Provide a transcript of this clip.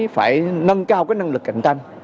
phải nâng cao cái năng lực cạnh tranh